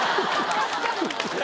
確かに。